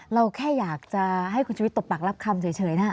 เราแค่อยากจะให้คุณชุวิตตบปากรับคำเฉยนะ